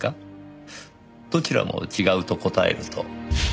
どちらも違うと答えると。